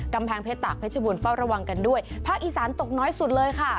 กำแพงเพชรตากเพชรบูรณเฝ้าระวังกันด้วยภาคอีสานตกน้อยสุดเลยค่ะ